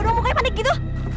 kayaknya panik gitu